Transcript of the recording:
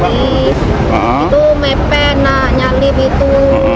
itu mepe nyalip itu